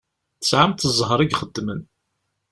Tesεamt ẓẓher i ixeddmen.